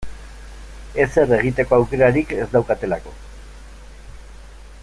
Ezer egiteko aukerarik ez daukatelako.